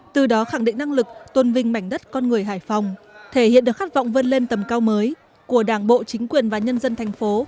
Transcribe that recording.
từ đó khẳng định năng lực tuân vinh mảnh đất con người hải phòng thể hiện được khát vọng vươn lên tầm cao mới của đảng bộ chính quyền và nhân dân thành phố